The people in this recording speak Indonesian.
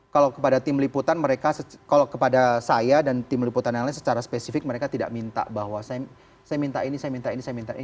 kalau kepada tim liputan mereka kalau kepada saya dan tim liputan yang lain secara spesifik mereka tidak minta bahwa saya minta ini saya minta ini saya minta ini